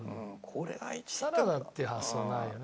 サラダっていう発想はないよね